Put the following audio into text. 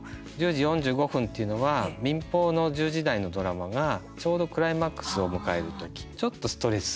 １０時４５分というのは民放の１０時台のドラマがちょうどクライマックスを迎える時なるほど。